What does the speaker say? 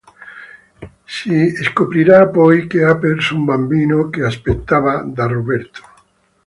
Si scoprirà poi che ha perso un bambino che aspettava da Roberto.